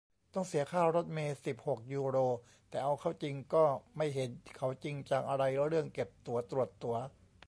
ต้องเสียค่ารถเมล์ สิบหก ยูโร แต่เอาเข้าจริงก็ไม่เห็นเขาจริงจังอะไรเรื่องเก็บตั๋ว ตรวจตั๋ว